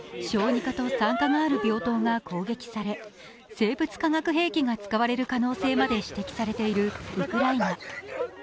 小児科と産科がある病棟が攻撃され、生物・化学兵器が使われる可能性まで指摘されているウクライナ。